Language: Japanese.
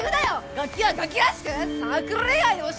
ガキはガキらしくサークル恋愛でもしとけや！